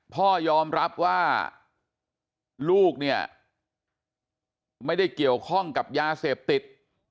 พ่อยอมรับว่าลูกเนี่ยไม่ได้เกี่ยวข้องกับยาเสพติด